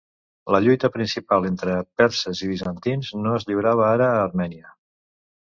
La lluita principal entre perses i bizantins no es lliurava ara a Armènia.